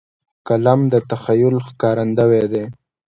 قلم د تخیل ښکارندوی دی